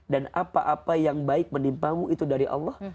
dan apa apa yang baik menimpamu itu dari allah